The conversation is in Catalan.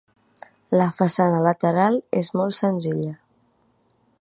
La façana lateral és molt senzilla.